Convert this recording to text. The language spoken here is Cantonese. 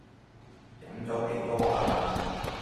飲咗幾多呀？